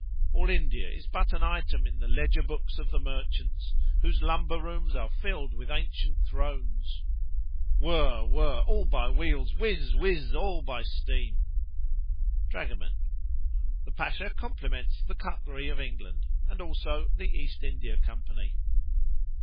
All India is but an item in the ledger books of the merchants, whose lumber rooms are filled with ancient thrones!—whirr! whirr! all by wheels!—whiz! whiz! all by steam. Dragoman.—The Pasha compliments the cutlery of England, and also the East India Company.